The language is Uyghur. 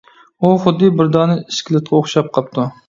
، ئۇ خۇددى بىر دانە ئىسكىلىتقىلا ئوخشاپ قاپتۇ.